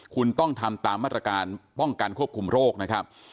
คุณต้องทำตามมาตรการป้องกันควบคุมโรคนะครับ